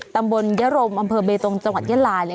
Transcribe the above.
ตำบลยะรมอำเภอเบตงจังหวัดยะลายเลย